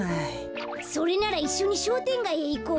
それならいっしょにしょうてんがいへいこうよ。